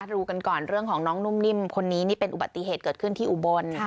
ดูกันก่อนเรื่องของน้องนุ่มนิ่มคนนี้นี่เป็นอุบัติเหตุเกิดขึ้นที่อุบล